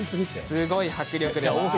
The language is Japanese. すごい迫力です。